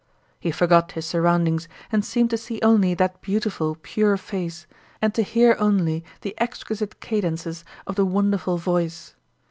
He forgot his surroundings and seemed to see only that beautiful, pure face and to hear only the exquisite cadences of the wonderful voice.